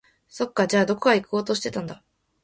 そっか、じゃあ、どこか行こうとしていたんだ